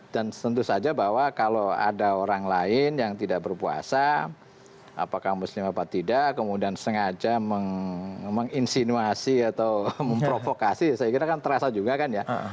dan tentu saja bahwa kalau ada orang lain yang tidak berpuasa apakah muslim apa tidak kemudian sengaja menginsinuasi atau memprovokasi saya kira kan terasa juga kan ya